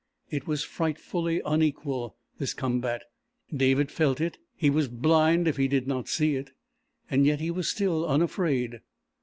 It was frightfully unequal this combat. David felt it, he was blind if he did not see it, and yet he was still unafraid.